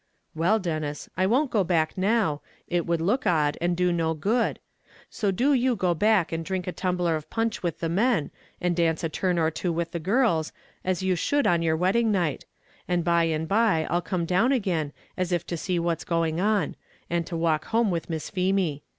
"Well, Denis, I won't go back now, it would look odd and do no good; so do you go back and drink a tumbler of punch with the men, and dance a turn or two with the girls, as you should on your wedding night; and by and by I'll come down again as if to see what was going on and to walk home with Miss Feemy.